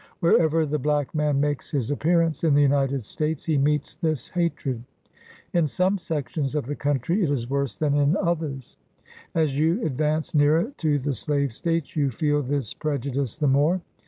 "Wherever the black man makes his appearance in the United States, he meets this hatred. In some sections of the country it is worse than in others. As you advance nearer to the slave States, you feel this prejudice the more.